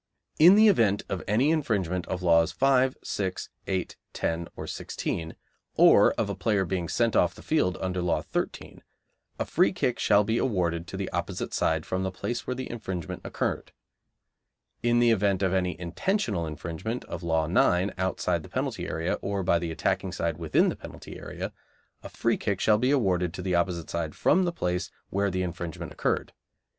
In the event of any infringement of Laws 5, 6, 8, 10, or 16, or of a player being sent off the field under Law 13, a free kick shall be awarded to the opposite side from the place where the infringement occurred. In the event of any intentional infringement of Law 9 outside the penalty area or by the attacking side within the penalty area, a free kick shall be awarded to the opposite side from the place where the infringement occurred.